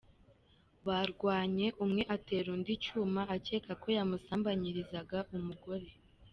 Barwanye umwe atera undi icyuma akeka ko yamusambanyirizaga umugore.